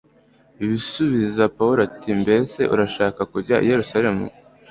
asubiza pawulo ati mbese urashaka kujya i yerusalemu